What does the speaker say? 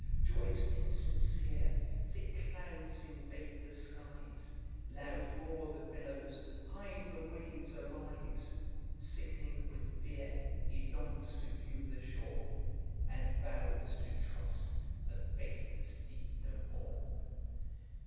Joys insincere! thick clouds invade the skies, Loud roar the billows, high the waves arise; Sick'ning with fear, he longs to view the shore, And vows to trust the faithless deep no more.